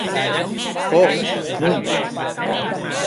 Ò!, non.